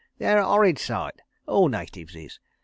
"They're a 'orrid sight. ... All natives is.